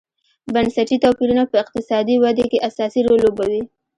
بنسټي توپیرونه په اقتصادي ودې کې اساسي رول لوبوي.